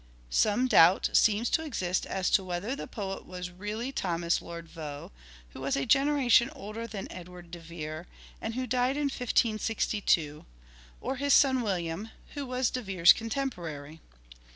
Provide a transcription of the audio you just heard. Some doubt seems to exist as to whether the poet was really Thomas Lord Vaux, who was a generation older than Edward De Vere and who died in 1562, or his son William, who was De Vere's contemporary.